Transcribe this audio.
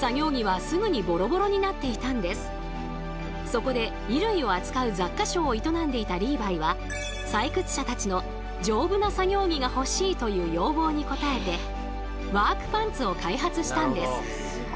そこで衣類を扱う雑貨商を営んでいたリーバイは採掘者たちの「丈夫な作業着が欲しい」という要望に応えてワークパンツを開発したんです。